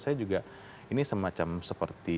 saya juga ini semacam seperti